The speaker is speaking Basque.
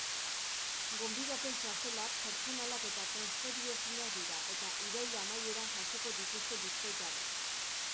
Gonbidapen txartelak pertsonalak eta transferiezinak dira, eta irail amaieran jasoko dituzte bizkaitarrek.